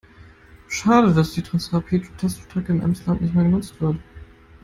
Schade, dass die Transrapid-Teststrecke im Emsland nicht mehr genutzt wird.